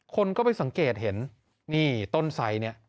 คนก็ไปสังเกตเห็นนี่ต้นไสเนี่ย